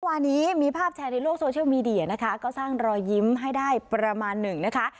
วันนี้มีภาพแชร์ในโลกโซเชียลมีเดียนะคะก็สร้างรอยยิ้มให้ได้ประมาณหนึ่งนะคะ